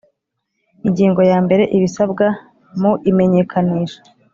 Ingingo yambere Ibisabwa mu imenyekanisha